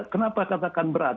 kenapa katakan berat